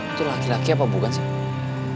itu laki laki apa bukan sih